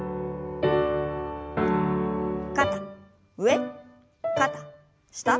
肩上肩下。